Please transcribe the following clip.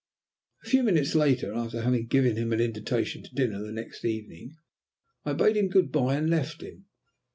A few minutes later, after having given him an invitation to dinner on the next evening, I bade him good bye and left him.